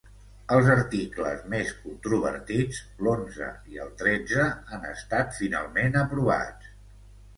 Els articles més controvertits, l’onze i el tretze, han estat finalment aprovats.